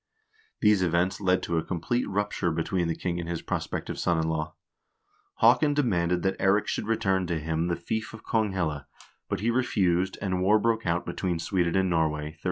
These events led to a complete rup ture between the king and his prospective son in law. Haakon demanded that Eirik should return to him the fief of Konghelle, but he refused, and war broke out between Sweden and Norway, 1308.